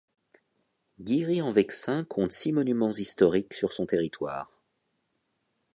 Guiry-en-Vexin compte six monuments historiques sur son territoire.